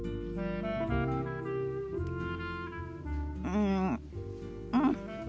うんうん。